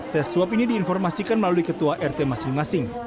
tes swab ini diinformasikan melalui ketua rt masing masing